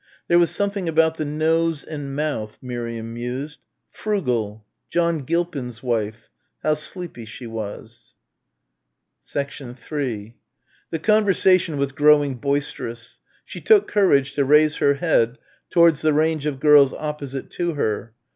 There was something about the nose and mouth Miriam mused ... frugal John Gilpin's wife how sleepy she was. 3 The conversation was growing boisterous. She took courage to raise her head towards the range of girls opposite to her.